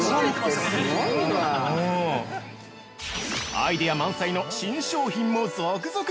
◆アイデア満載の新商品も続々！